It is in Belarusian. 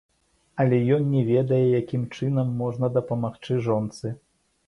Але ён не ведае, якім чынам можна дапамагчы жонцы.